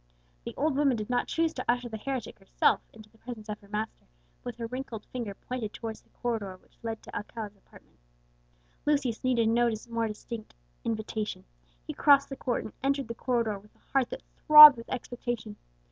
The old woman did not choose to usher the heretic herself into the presence of her master, but with her wrinkled finger pointed towards the corridor which led to Alcala's apartment. Lucius needed no more distinct invitation. He crossed the court, and entered the corridor with a heart that throbbed with expectation.